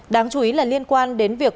đáng chú ý là liên quan đến việc